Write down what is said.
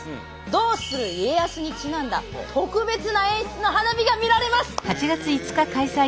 「どうする家康」にちなんだ特別な演出の花火が見られます。